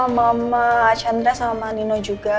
tadi aku mau pergi sama mbak chandra sama mbak nino juga